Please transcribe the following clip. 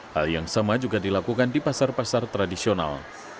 hal yang sama juga dilakukan di pasar pasar tradisional